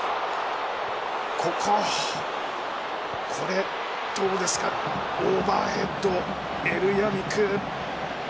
これ、どうですかオーバーヘッドエルヤミク。